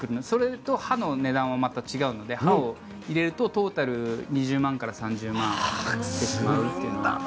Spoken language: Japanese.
それと、刃の値段はまた違うので、刃を入れるとトータルで２０万円から３０万円してしまう。